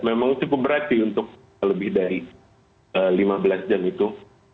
memang cukup berarti untuk lebih dari lima belas jam itu